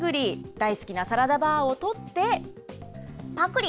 大好きなサラダバーを取って、ぱくり。